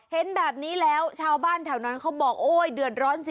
เห็นแบบนี้แล้วชาวบ้านแถวนั้นเขาบอกโอ๊ยเดือดร้อนสิ